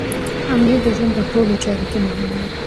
امنیت د ژوند په ټولو چارو کې مهم دی.